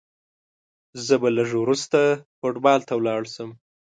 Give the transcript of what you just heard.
زه به لږ وروسته فوټبال ته ولاړ سم.